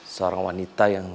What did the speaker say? seorang wanita yang